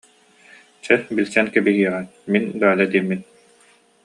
Чэ, билсэн кэбиһиэҕиҥ, мин Галя диэммин